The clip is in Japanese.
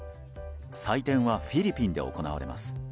採点はフィリピンで行われます。